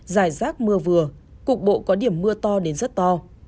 giải rác mưa vừa cục bộ có điểm mưa to đến rất to